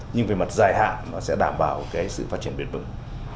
nhưng về mặt dài hạn nó sẽ đảm bảo cái sự phát triển bền vững